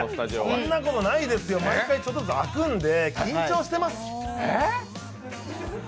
そんなことないですよ、毎回ちょっとずつ空くんで緊張してます。